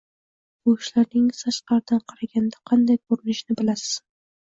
Bu ishlaringiz tashqaridan qaraganda qanday ko`rinishini bilasizmi